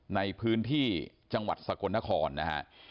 ในพื้นที่จังหวัดสกลนครนะฮะ